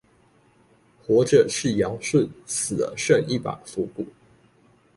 活著是堯舜，死了剩一把腐骨